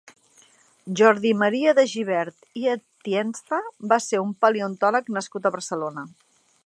Jordi Maria de Gibert i Atienza va ser un paleontòleg nascut a Barcelona.